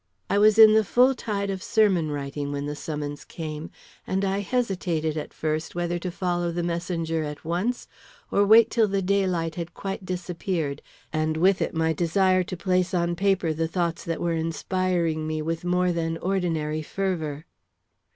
I was in the full tide of sermon writing when the summons came, and I hesitated at first whether to follow the messenger at once or wait till the daylight had quite disappeared, and with it my desire to place on paper the thoughts that were inspiring me with more than ordinary fervor.